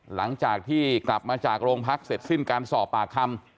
หลังจากที่กลับมาจากโรงพักเสร็จสิ้นการสอบปากคำ